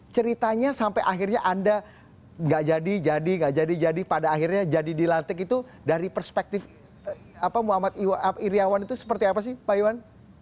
ceritanya sampai akhirnya anda nggak jadi jadi nggak jadi jadi pada akhirnya jadi dilantik itu dari perspektif muhammad iryawan itu seperti apa sih pak iwan